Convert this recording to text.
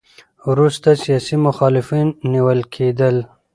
وروسته سیاسي مخالفین نیول کېدل.